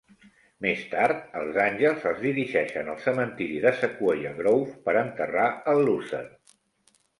Més tard, els àngels es dirigeixen al cementiri de Sequoia Grove per enterrar el Loser.